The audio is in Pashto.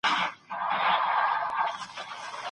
هغه ډاکټره چي لوړ ږغ لري، پاڼه ړنګوي.